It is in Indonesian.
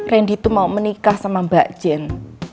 rendy tuh mau menikah sama mbak jen